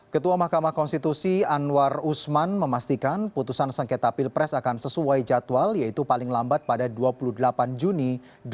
ketua mahkamah konstitusi anwar usman memastikan putusan sengketa pilpres akan sesuai jadwal yaitu paling lambat pada dua puluh delapan juni dua ribu sembilan belas